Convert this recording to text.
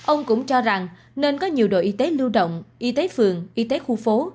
ông cũng cho rằng nên có nhiều đội y tế lưu động y tế phường y tế khu phố